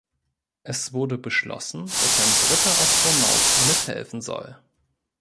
Es wurde beschlossen, dass ein dritter Astronaut mithelfen soll.